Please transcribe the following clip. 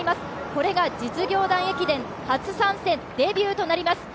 これが実業団駅伝初参戦、デビューとなります。